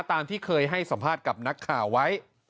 ตามที่เคยให้สัมภาษณ์กับนักข่าวไว้